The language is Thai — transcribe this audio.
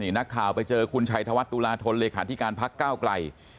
นี่นักข่าวไปเจอคุณชัยธวัฒน์ตุลาทนหลีคาที่การพักก้าวไกล